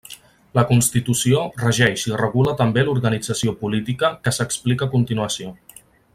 La constitució regeix i regula també l'organització política què s'explica a continuació.